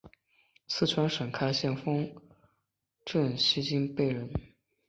四川省开县汉丰镇西津坝人。